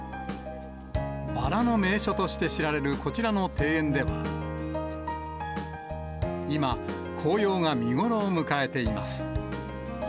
バラの名所と知られるこちらの庭園では、今、紅葉が見頃を迎えています。